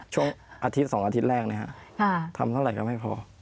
ช่วงอาทิตย์สองอาทิตย์แรกเนี้ยฮะค่ะทำเท่าไหร่ก็ไม่พอ